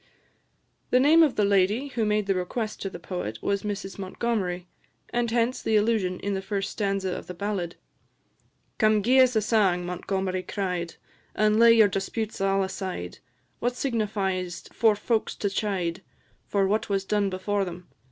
The name of the lady who made the request to the poet was Mrs Montgomery, and hence the allusion in the first stanza of the ballad: "Come gie 's a sang, Montgomery cried, And lay your disputes all aside; What signifies 't for folks to chide For what was done before them?